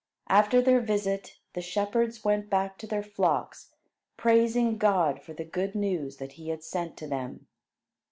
After their visit, the shepherds went back to their flocks, praising God for the good news that he had sent to them.